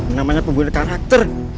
namanya pembuli karakter